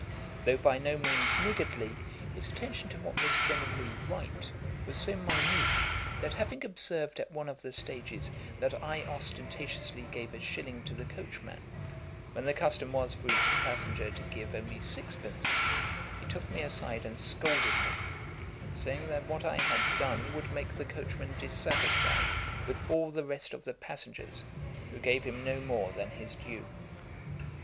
Though by no means niggardly, his attention to what was generally right was so minute, that having observed at one of the stages that I ostentatiously gave a shilling to the coachman, when the custom was for each passenger to give only six pence, he took me aside and scolded me, saying that what I had done would make the coachman dissatisfied with all the rest of the passengers, who gave him no more than his due.